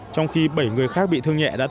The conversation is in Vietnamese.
trong khi bảy người khác bị thương nhẹ đã tử